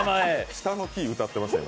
下のキー歌ってましたよ。